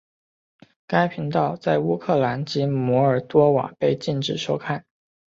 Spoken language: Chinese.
该频道在乌克兰及摩尔多瓦被禁止收看。